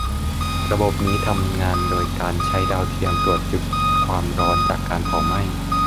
ระบบนี้ทำงานโดยการใช้ดาวเทียมตรวจจุดความร้อนจากการเผาไหม้